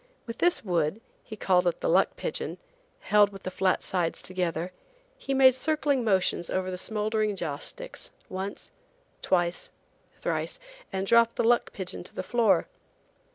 With this wood–he called it the "luck pigeon"–held with the flat sides together, he made circling motions over the smouldering joss sticks, once, twice, thrice, and dropped the luck pigeon to the floor.